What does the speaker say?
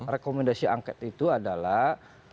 rekomendasi angket itu adalah